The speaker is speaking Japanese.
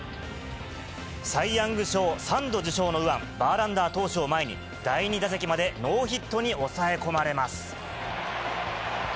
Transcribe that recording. サイ・ヤング賞３度受賞の右腕、バーランダー投手を前に、第２打席までノーヒットに抑え込まれます。